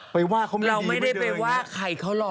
ไปว่าเขาไม่ดีไม่เดิน